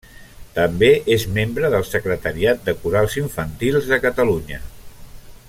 També és membre del Secretariat de Corals Infantils de Catalunya.